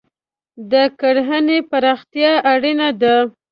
د کرهنې پراختیا اړینه ده.